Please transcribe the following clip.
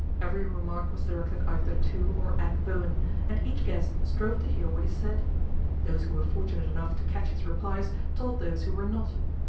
Every remark was directed either to or at Bowen, and each guest strove to hear what he said. Those who were fortunate enough to catch his replies told those who were not.